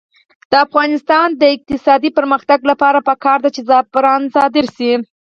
د افغانستان د اقتصادي پرمختګ لپاره پکار ده چې زعفران صادر شي.